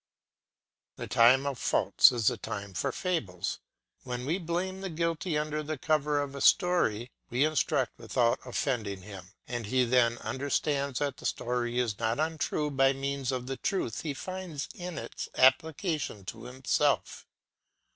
The time of faults is the time for fables. When we blame the guilty under the cover of a story we instruct without offending him; and he then understands that the story is not untrue by means of the truth he finds in its application to himself.